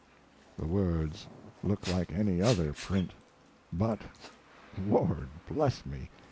The words look like any other print, but, Lord bless me!